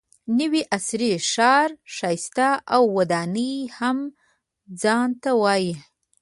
نوي عصري ښار ښایست او ودانۍ هم ځان ته وایي.